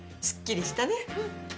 すっきりしたね。